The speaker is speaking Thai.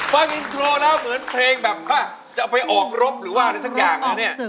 ฟังอินโทรแล้วเหมือนเพลงแบบจะเอาไปออกรบหรือว่าอะไรสักอย่างนะเนี่ย